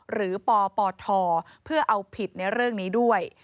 หรือปปทเพื่อเอาผิดในเรื่องนี้ด้วย